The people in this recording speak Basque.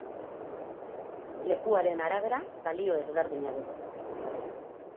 Lekuaren arabera balio ezberdina du.